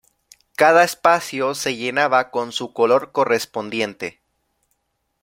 Cada espacio se llenaba con su color correspondiente.